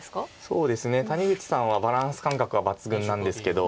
そうですね谷口さんはバランス感覚が抜群なんですけど。